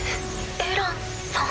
エランさん？